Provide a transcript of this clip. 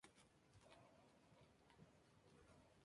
Era algo cool estar en vídeo de Michael Jackson.